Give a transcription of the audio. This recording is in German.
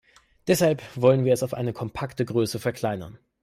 Deshalb wollen wir es auf eine kompakte Größe verkleinern.